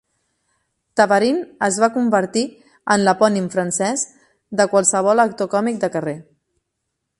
"Tabarin" es va convertir en l'epònim francès de qualsevol actor còmic de carrer.